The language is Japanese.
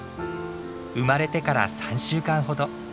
生まれてから３週間ほど。